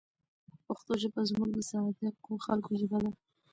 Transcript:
پښتو ژبه زموږ د صادقو خلکو ژبه ده.